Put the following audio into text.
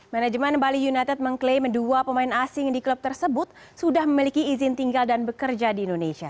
manajemen bali united mengklaim dua pemain asing di klub tersebut sudah memiliki izin tinggal dan bekerja di indonesia